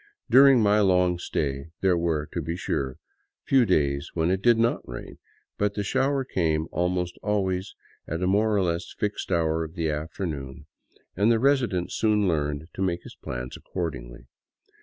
During my long stay, there were, to be sure, few days when it did not rain ; but the shower came almost always at a more or less fixed hour of the afternoon, and the resident soon learned to make his plans accordingly.